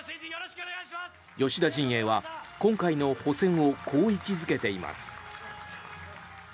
吉田陣営は今回の補選をこう位置付けています。